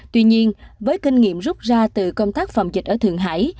tuy nhiên với kinh nghiệm rút ra từ công tác phòng dịch ở thượng hải